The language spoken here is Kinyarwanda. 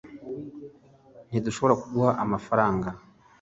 ntidushobora kuguha amafaranga